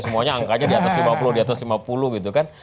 semuanya angkanya di atas lima puluh di atas lima puluh gitu kan